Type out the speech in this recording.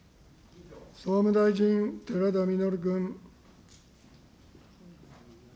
総務大臣、寺田稔君。